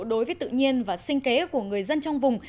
đối với tự nhiên và sinh kế của người dân trong vùng